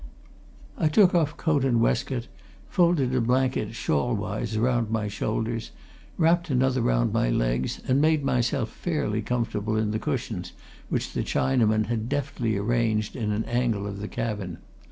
I took off coat and waistcoat, folded a blanket shawl wise around my shoulders, wrapped another round my legs, and made myself fairly comfortable in the cushions which the Chinaman had deftly arranged in an angle of the cabin.